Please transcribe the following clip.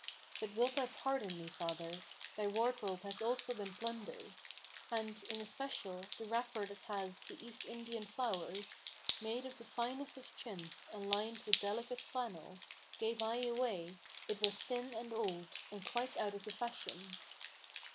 But wilt thou pardon me, father? thy wardrobe has also been plundered. And, in especial, the wrapper that has the East Indian flowers, Made of the finest of chintz, and lined with delicate flannel, Gave I away: it was thin and old, and quite out of the fashion."